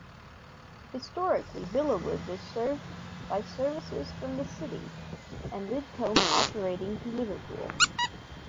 Historically, Villawood was served by services from the city and Lidcombe operating to Liverpool.